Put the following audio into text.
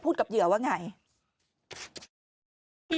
กับเหยื่อว่าไง